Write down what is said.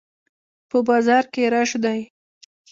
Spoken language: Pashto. په بازار کښي رش دئ.